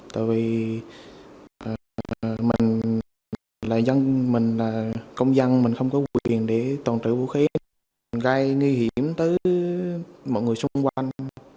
tại vì mình là công dân mình không có quyền để tàn trữ vũ khí gây nguy hiểm tới mọi người xung quanh